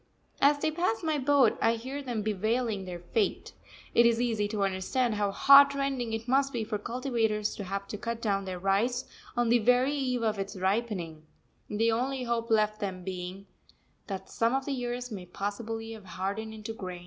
As they pass my boat I hear them bewailing their fate. It is easy to understand how heart rending it must be for cultivators to have to cut down their rice on the very eve of its ripening, the only hope left them being that some of the ears may possibly have hardened into grain.